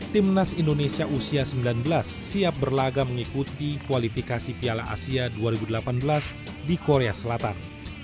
timnas indonesia usia sembilan belas siap berlaga mengikuti kualifikasi piala asia dua ribu delapan belas di korea selatan